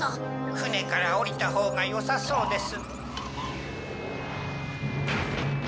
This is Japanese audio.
船から降りたほうがよさそうです。